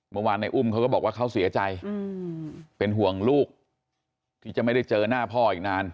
เมื่อวานในอุ้มเขาก็บอกว่าเขาเสียใจเป็นห่วงลูกที่จะไม่ได้เจอหน้าพ่ออีกนาน